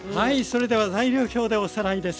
それでは材料表でおさらいです。